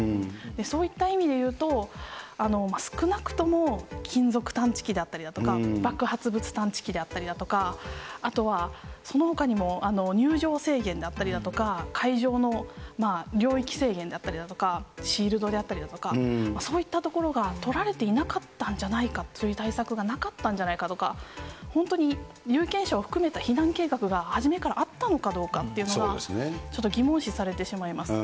そういった意味でいうと、少なくとも金属探知機であったりとか、爆発物探知機であったりとか、あとはそのほかにも入場制限であったりとか、会場の領域制限だったりだとか、シールドであったりだとか、そういったところが取られていなかったんじゃないか、そういう対策がなかったんじゃないかとか、本当に有権者を含めた避難計画が初めからあったのかどうかっていうのが、ちょっと疑問視されてしまいます。